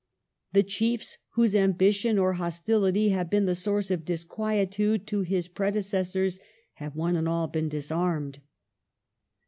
The chiefs whose ambition or hostility have been the source of disquietude to his predecessors, have one and all been disarmed."